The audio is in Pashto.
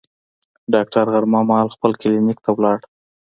ډاکټر غرمه مهال خپل کلینیک ته لاړ.